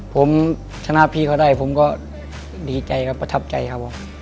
ผมชนะพี่เขาได้ผมก็ดีใจครับประทับใจครับผม